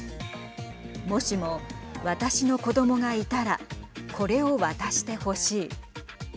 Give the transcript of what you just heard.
もしも、私の子どもがいたらこれを渡してほしい。